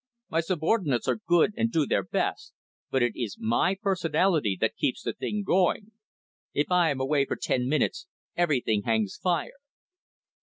My subordinates are good, and do their best, but it is my personality that keeps the thing going. If I am away for ten minutes, everything hangs fire."